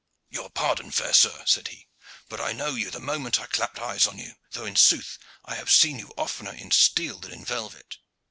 "Your pardon, fair sir," said he, "but I know you the moment I clap eyes on you, though in sooth I have seen you oftener in steel than in velvet.